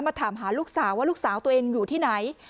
ถามหาลูกสาวว่าลูกสาวตัวเองอยู่ที่ไหน